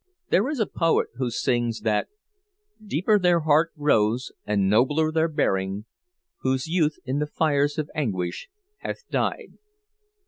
There is a poet who sings that "Deeper their heart grows and nobler their bearing, Whose youth in the fires of anguish hath died."